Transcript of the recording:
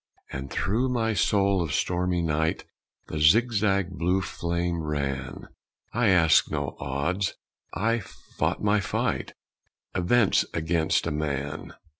And through my soul of stormy night The zigzag blue flame ran. I asked no odds I fought my fight Events against a man.